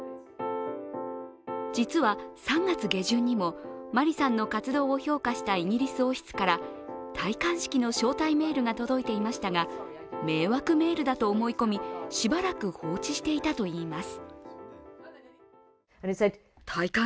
実は３月下旬にもマリさんの活動を評価したイギリス王室から、戴冠式の招待メールが届いていましたが迷惑メールだと思い込みしばらく放置していたといいます。